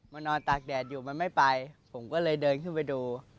นอนตากแดดอยู่มันไม่ไปผมก็เลยเดินขึ้นไปดู